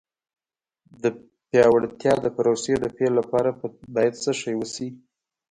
د پیاوړتیا د پروسې د پیل لپاره باید څه وشي.